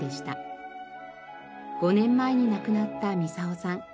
５年前に亡くなった操さん。